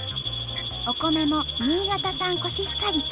お米も新潟産コシヒカリ。